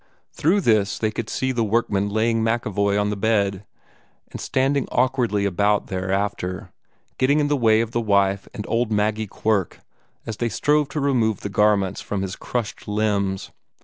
Through this they could see the workmen laying MacEvoy on the bed, and standing awkwardly about thereafter, getting in the way of the wife and old Maggie Quirk as they strove to remove the garments from his crushed limbs.